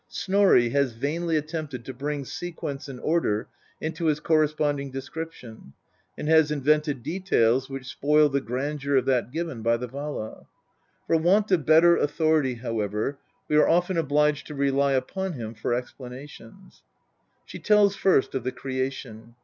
Snorri has vainly attempted to bring sequence and order into his corresponding description, and has invented details which spoil the grandeur of that given by the Vala. For want of better authority, however, we are often obliged to rely upon him for explanations. She tells first of the creation.